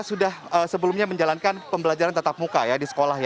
sudah sebelumnya menjalankan pembelajaran tetap muka di sekolah